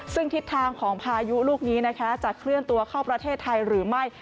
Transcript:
ซึ่งทิศทางของพายุลูกนี้นะคะจะเคลื่อนตัวเข้าประเทศไทยหรือไม่